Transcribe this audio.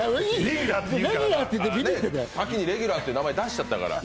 レギュラーって名前出しちゃったから。